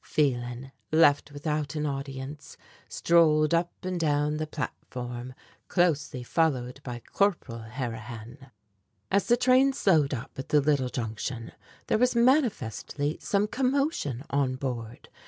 Phelan, left without an audience, strolled up and down the platform, closely followed by Corporal Harrihan. As the train slowed up at the little Junction, there was manifestly some commotion on board.